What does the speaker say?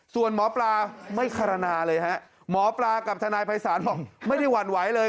ส่วนหมอปลาไม่คารณาเลยฮะหมอปลากับทนายภัยศาลบอกไม่ได้หวั่นไหวเลย